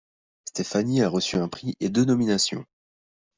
Stefani a reçu un prix et deux nominations.